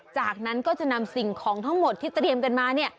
จากนั้นก็จะนำสิ่งของทั้งหมดที่เตรียมกันมาเนี่ย